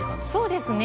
そうですね。